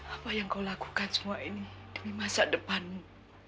apa yang kau lakukan semua ini demi masa depanmu